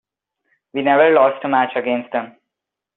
We never lost a match against them.